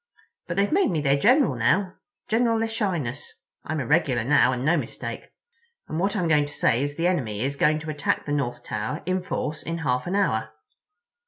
But they've made me their General now—General Echinus. I'm a regular now, and no mistake, and what I was going to say is the enemy is going to attack the North Tower in force in half an hour."